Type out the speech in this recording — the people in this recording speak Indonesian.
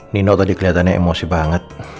nino tadi kelihatannya emosi banget